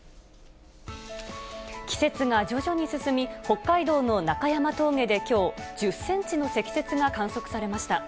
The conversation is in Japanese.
季節が徐々に進み、北海道の中山峠できょう、１０センチの積雪が観測されました。